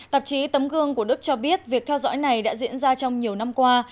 tạp chí tấm gương của đức cho biết việc theo dõi này đã diễn ra trong nhiều năm qua